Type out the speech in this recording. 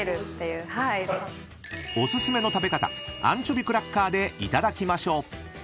［お薦めの食べ方アンチョビクラッカーでいただきましょう］